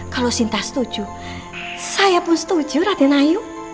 kalau sinta setuju saya pun setuju raden ayu